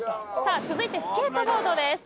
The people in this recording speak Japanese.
続いてスケートボードです。